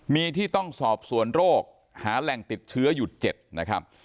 มีที่ต้องสอบสวนโรคหาแหล่งติดเชื้ออยู่๗นะครับ